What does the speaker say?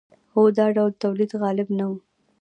خو دا ډول تولید غالب نه و.